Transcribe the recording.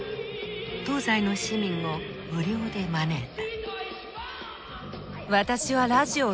東西の市民を無料で招いた。